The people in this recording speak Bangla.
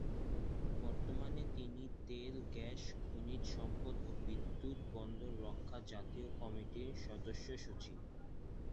বর্তমানে তিনি "তেল-গ্যাস-খনিজ সম্পদ ও বিদ্যুৎ-বন্দর রক্ষা জাতীয় কমিটির" সদস্য সচিব।